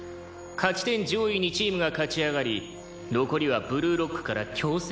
勝ち点上位２チームが勝ち上がり残りはブルーロックから強制退場。